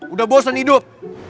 udah bosen hidup